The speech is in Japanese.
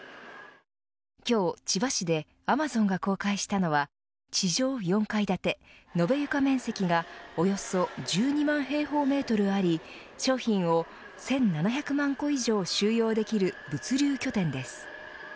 今日千葉市でアマゾンが公開したのは地上４階建て、延べ床面積がおよそ１２万平方メートルあり商品を１７００万個以上収容できる物流拠点です。